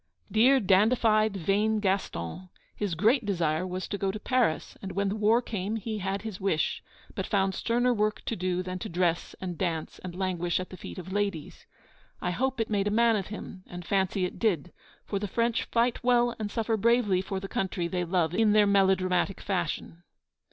Dear, dandified, vain Gaston! His great desire was to go to Paris, and when the war came he had his wish; but found sterner work to do than to dress and dance and languish at the feet of ladies. I hope it made a man of him, and fancy it did; for the French fight well and suffer bravely for the country they love in their melodramatic fashion.